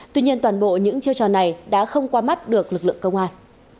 tuy nhiên toàn bộ những chiêu trò này đã không qua mắt được lực lượng công an